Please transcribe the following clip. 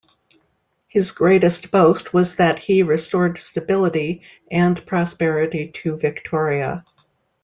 His greatest boast was that he restored stability and prosperity to Victoria.